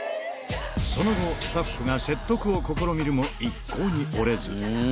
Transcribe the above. その後、スタッフが説得を試みるも、一向に折れず。